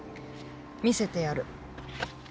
見せてやる。